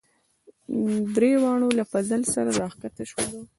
دریواړه له فضل سره راکښته شولو.